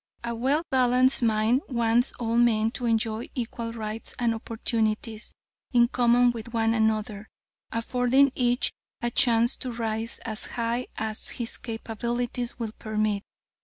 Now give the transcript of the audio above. A well balanced mind wants all men to enjoy equal rights and opportunities in common with one another, affording each a chance to rise as high as his capabilities will permit.